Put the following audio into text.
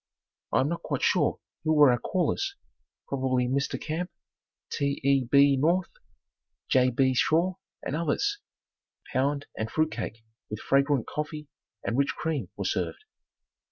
I am not quite sure who were our callers, probably Mr. Camp, T. E. B. North, J. B. Shaw and others. Pound and fruit cake with fragrant coffee and rich cream were served.